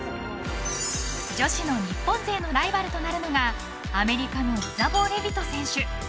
女子の日本勢のライバルとなるのがアメリカのイザボー・レヴィト選手。